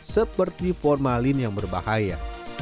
seperti formalin yang berbahaya